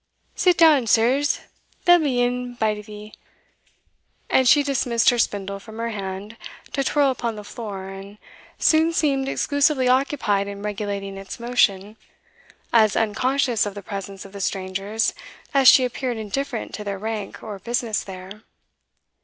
Sit down, sirs, they'll be in belyve;" and she dismissed her spindle from her hand to twirl upon the floor, and soon seemed exclusively occupied in regulating its motion, as unconscious of the presence of the strangers as she appeared indifferent to their rank or business there.